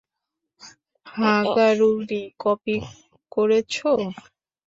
হাগারু রি, কপি করেছো?